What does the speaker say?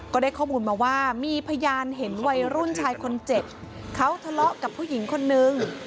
ก็ได้ข้อมูลมาว่ามีพยานเห็นวัยรุ่นชายคนเจ็บเขาทะเลาะกับผู้หญิงคนนึง